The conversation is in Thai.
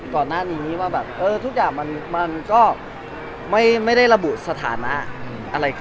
ก่อนนานอีกนี้ว่าเออทุกอย่างมันก็ไม่ได้ระบุสถานะอะไรเคย